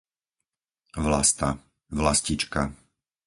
Vlasta, Vlastička